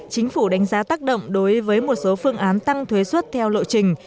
chính phủ đánh giá tác động đối với một số phương án tăng thuế xuất theo lộ trình